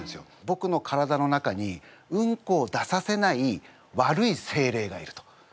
ぼくの体の中にうんこを出させない悪いせいれいがいると。